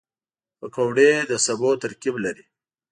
پکورې د سبو ترکیب لري